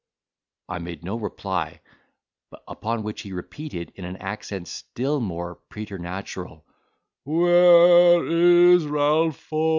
I made no reply: upon which he repeated, in an accent still more preternatural, "Where is Ralpho?"